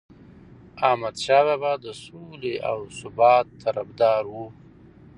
احمدشاه بابا د سولې او ثبات طرفدار و.